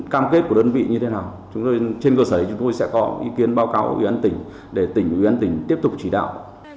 cảm kết của đơn vị như thế nào trên cơ sở chúng tôi sẽ có ý kiến báo cáo với huyện tỉnh để tỉnh và huyện tỉnh tiếp tục chỉ đạo